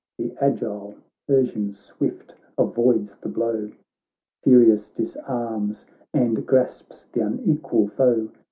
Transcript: BOOK IV 25 The agile Persian swift avoids the blow, Furious disarms and grasps th' unequal foe!